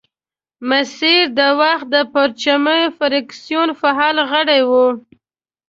مسیر د وخت د پرچمي فرکسیون فعال غړی وو.